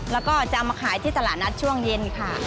แล้วก็จะเอามาขายที่ตลาดนัดช่วงเย็นค่ะ